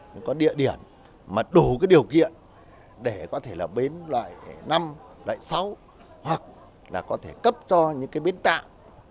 những có địa điểm mà đủ cái điều kiện để có thể là bến loại năm loại sáu hoặc là có thể cấp cho những cái bến tạm